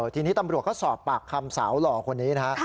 ทีนี้ตำรวจก็สอบปากคำสาวหล่อคนนี้นะฮะ